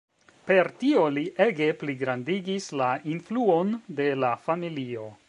Per tio li ege pligrandigis la influon de la familio.